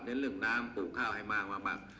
เรื่องน้ำปลูกข้าวให้มาก